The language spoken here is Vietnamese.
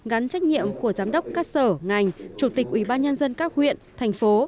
gắn trách nhiệm của giám đốc các sở ngành chủ tịch ubnd các huyện thành phố